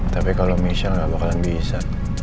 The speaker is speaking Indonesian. tapi kalau michelle nggak bakalan bisa